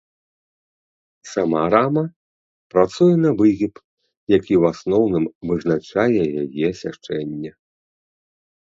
Сама рама працуе на выгіб, які ў асноўным вызначае яе сячэнне.